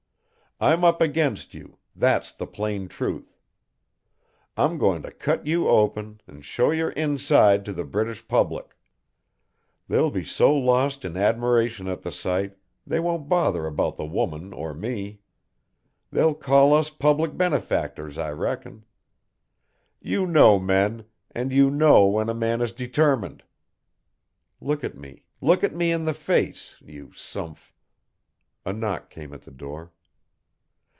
I'm up against you, that's the plain truth. I'm going to cut you open, and show your inside to the British Public. They'll be so lost in admiration at the sight, they won't bother about the woman or me. They'll call us public benefactors, I reckon. You know men, and you know when a man is determined. Look at me, look at me in the face, you sumph " A knock came to the door.